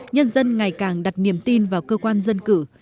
nhân dân ngày càng đặt niềm tin vào cơ quan dân cử